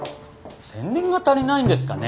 宣伝が足りないんですかね？